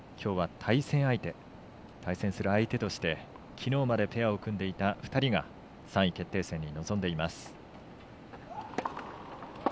対戦する相手として、きのうまでペアを組んでいた２人が３位決定戦に臨んでいます。